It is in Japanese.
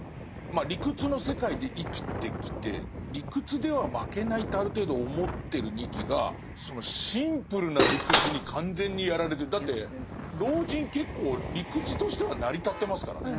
まあ理屈の世界で生きてきて理屈では負けないってある程度思ってる仁木がそのだって老人結構理屈としては成り立ってますからね。